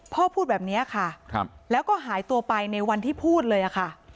พูดแบบนี้ค่ะแล้วก็หายตัวไปในวันที่พูดเลยค่ะ